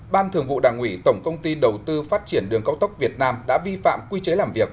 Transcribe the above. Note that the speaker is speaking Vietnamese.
ban thường vụ đảng ủy tổng công ty đầu tư phát triển đường cao tốc việt nam đã vi phạm quy chế làm việc